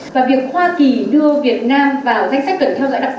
và việc hoa kỳ đưa việt nam vào danh sách cần theo dõi đặc biệt